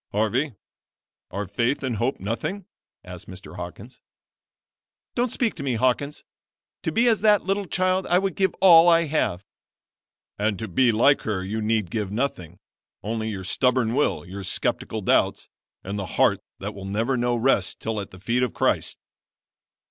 "Harvey, are faith and hope nothing?" asked Mr. Hawkins. "Don't speak to me, Hawkins; to be as that little child I would give all I have." "And to be like her you need give nothing only your stubborn will, your skeptical doubts, and the heart that will never know rest till at the feet of Christ."